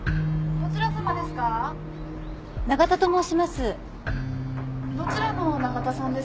・どちらの永田さんですか？